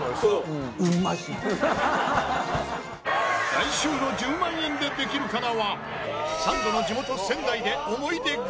来週の『１０万円でできるかな』はサンドの地元仙台で思い出グルメ旅